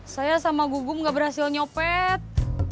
saya sama gugum gak berhasil nyopet